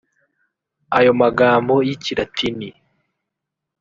Ayo magambo y’ikiratini